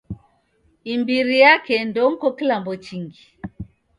Imbiri yake ndomko kilambo chingi.